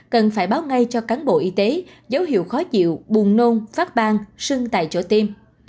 cần phải báo ngay cho cán bộ y tế dấu hiệu khó chịu buồn nôn phát bang sưng tại chỗ tiêm